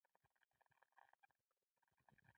نوښت د تمدن د ودې محرک ګڼل کېږي.